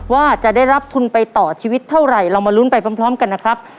ว่าจะได้รับทุนไปต่อชีวิตเท่าไหร่เรามาลุ้นไปพร้อมกันนะครับ